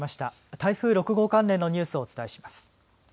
台風６号関連のニュースをお伝えします。